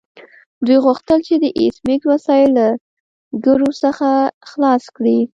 دوی غوښتل چې د ایس میکس وسایل له ګرو څخه خلاص کړي